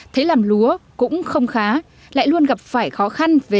thấy làm lúa cũng không khá lại luôn gặp phải khó khăn